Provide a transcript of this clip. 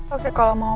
oke kalau mau